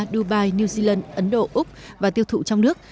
dubai new zealand ấn độ úc và tiêu thụ trong nước